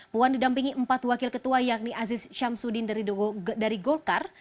puan didampingi empat wakil ketua yakni aziz syamsuddin dari golkar